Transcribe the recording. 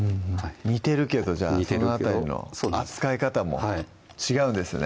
似てるけどその辺りの扱い方も違うんですね